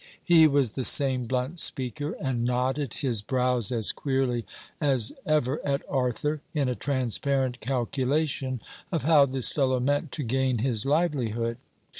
He was the same blunt speaker, and knotted his brows as queerly as ever at Arthur, in a transparent calculation of how this fellow meant to gain his livelihood.